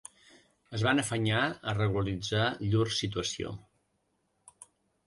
Es van afanyar a regularitzar llur situació